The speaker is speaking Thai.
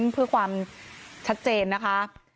เพื่อความชัดเจนนะคะ